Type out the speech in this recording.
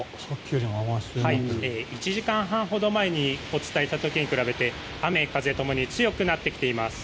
１時間半ほど前にお伝えした時に比べて雨、風共に強くなってきています。